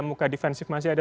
muka defensif masih ada